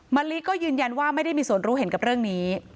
มะลิก็ยืนยันว่าไม่ได้มีส่วนรู้เห็นกับเรื่องนี้